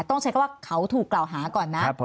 ต้องใช้คำว่าเขาถูกกล่าวหาก่อนนะ